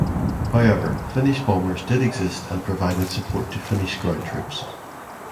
However Finnish bombers did exist and provided support to Finnish ground troops.